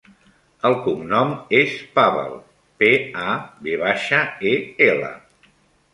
El cognom és Pavel: pe, a, ve baixa, e, ela.